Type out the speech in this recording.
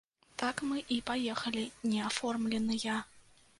Так мы і паехалі неаформленыя.